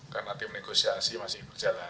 karena nanti negosiasi masih berjalan